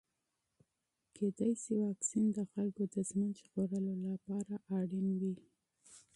ښايي واکسین د خلکو د ژوند ژغورلو لپاره اړین وي.